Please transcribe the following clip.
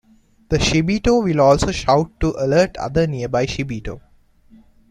The Shibito will also shout to alert other nearby Shibito.